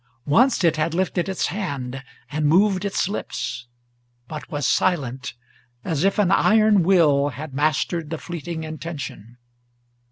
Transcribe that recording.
Once it had lifted its hand, and moved its lips, but was silent, As if an iron will had mastered the fleeting intention.